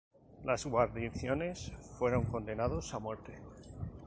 Las guarniciones fueron condenados a muerte.